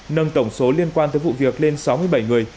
nâng tổng số liên quan tới vụ việc lên sáu mươi bảy người